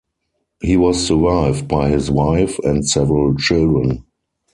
He was survived by his wife and several children.